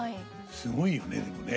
すごいよねでもね。